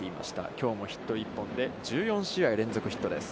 きょうもヒット１本で１４試合連続ヒットです。